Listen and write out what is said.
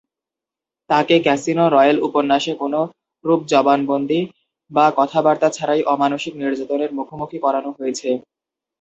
তাকে 'Casino Royale' উপন্যাসে কোনরূপ জবানবন্দি বা কথাবার্তা ছাড়াই অমানুষিক নির্যাতনের মুখোমুখি করানো হয়েছে।